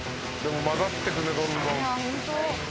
混ざってくねどんどん。